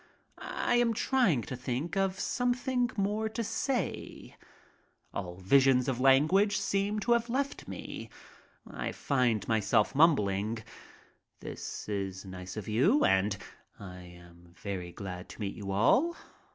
I am trying to think of something more to say. All visions of 42 MY TRIP ABROAD language seem to have left me. I find myself mumbling, "This is nice of you" and "I am very glad to meet you all."